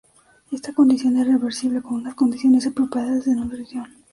Esta condición es reversible con unas condiciones apropiadas de nutrición.